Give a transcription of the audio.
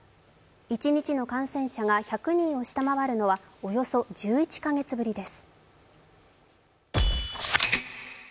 一日の感染者が１００人を下回るのはおよそ１１カ月ぶりです。